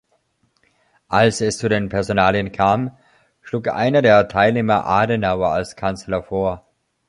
Als es zu den Personalien kam, schlug einer der Teilnehmer Adenauer als Kanzler vor.